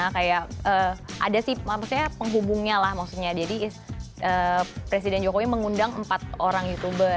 kayak ada sih maksudnya penghubungnya lah maksudnya jadi presiden jokowi mengundang empat orang youtuber